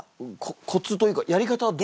コツというかやり方はどんな。